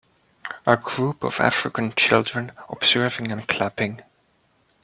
A group of African children observing and clapping.